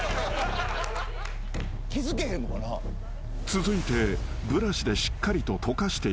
［続いてブラシでしっかりととかしていきます］